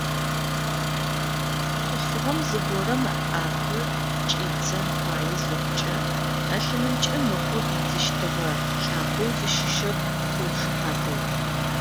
Хъулъфыгъэм зыгорэм ыӏапэ кӏидзэн фае зыхъукӏэ, ӏэлъынымкӏэ мыхъур ридзыщтыгъэ лӏакъоу зыщыщыр къыушыхьатэу.